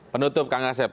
penutup kang asep